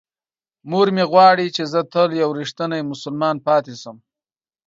مور مې غواړي چې زه تل یو رښتینی مسلمان پاتې شم.